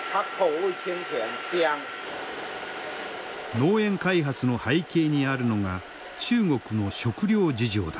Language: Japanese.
農園開発の背景にあるのが中国の食糧事情だ。